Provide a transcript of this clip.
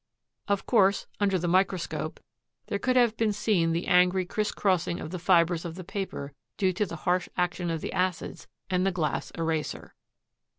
Of course, under the microscope there could have been seen the angry crisscrossing of the fibers of the paper due to the harsh action of the acids and the glass eraser.